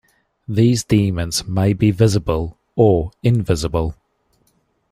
These demons may be visible or invisible.